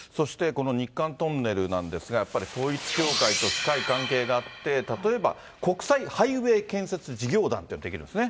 この日韓トンネルなんですが、やっぱり統一教会と深い関係があって、例えば国際ハイウェイ建設事業団というのが出来るんですね。